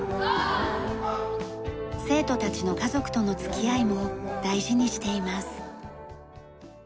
生徒たちの家族との付き合いも大事にしています。